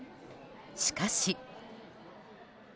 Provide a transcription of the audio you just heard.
しかし。